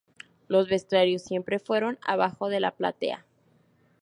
Los vestuarios siempre fueron abajo de la platea.